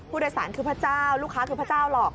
ผู้โดยสารคือพระเจ้าลูกค้าคือพระเจ้าหรอก